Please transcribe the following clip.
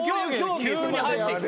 急に入ってきて。